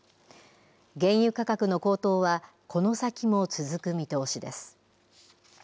原油価格の高騰は、この先も続く見通しです。